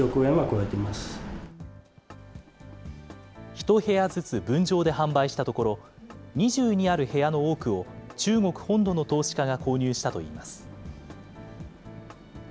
１部屋ずつ分譲で販売したところ、２２ある部屋の多くを中国本土の投資家が購入したといいます。